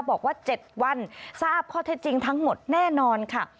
บอกว่า๗วันทราบข้อเท็จจริงทั้งหมดแน่นอนค่ะ